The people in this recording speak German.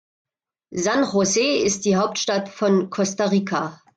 San José ist die Hauptstadt von Costa Rica.